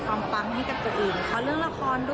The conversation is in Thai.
ขอเรื่องละครด้วย